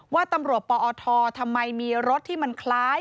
ว่าตำรวจปอททำไมมีรถที่มันคล้าย